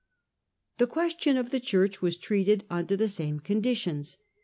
The question of the Church was treated under the same conditions.